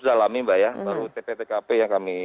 dalami mbak ya baru tptkp yang kami